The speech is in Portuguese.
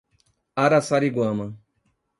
Araçariguama